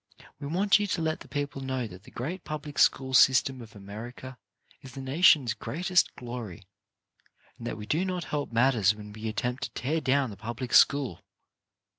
We want you to let the people know that the great public school system of America is the nation's greatest glory, and that we do not help matters when we attempt to tear down the public school.